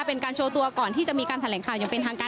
เป็นการโชว์ตัวก่อนที่จะมีการแถลงข่าวอย่างเป็นทางการ